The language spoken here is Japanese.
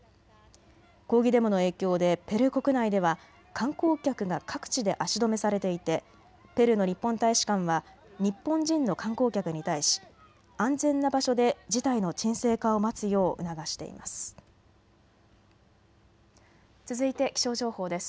抗議デモの影響でペルー国内では観光客が各地で足止めされていてペルーの日本大使館は日本人の観光客に対し安全な場所で事態の沈静化を待つよう促しています。